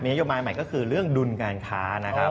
โยมัยใหม่ก็คือเรื่องดุลการค้านะครับ